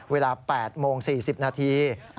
เวลา๘โมง๔๐นาที